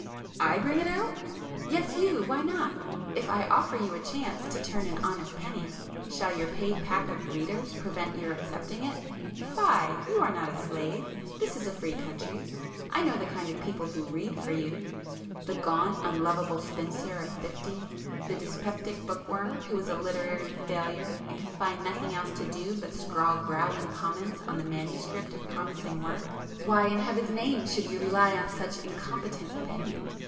I bring it out!" "Yes, you—why not? If I offer you a chance to turn an honest penny shall your paid pack of 'readers' prevent your accepting it? Fie! you are not a slave,—this is a free country. I know the kind of people who 'read' for you,—the gaunt unlovable spinster of fifty,—the dyspeptic book worm who is a 'literary failure' and can find nothing else to do but scrawl growling comments on the manuscript of promising work,—why in heaven's name should you rely on such incompetent opinion?